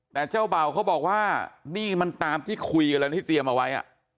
แต่เจ้าเบาเขาบอกว่านี่มันตามที่คุยกันแล้วนะที่เตรียมเอาไว้